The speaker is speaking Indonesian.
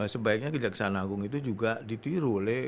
sebaiknya kejaksaan agung itu juga ditiru oleh